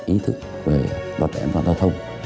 ý thức về đoạt đoạn an toàn thông